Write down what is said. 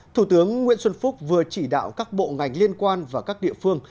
thủ tướng nguyễn xuân phúc vừa chỉ đạo các bộ ngành liên quan và các địa phương